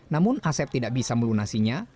namun asep tidak bisa melunasinya